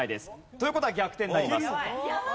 という事は逆転になります。